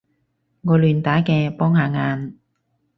我亂打嘅，幫下眼